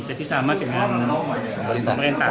jadi sama dengan pemerintah